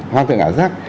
hoang tường ảo giác